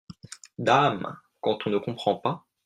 Dame !… quand on ne comprend pas !…